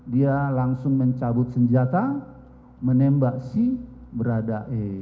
dia langsung mencabut senjata menembak si berada e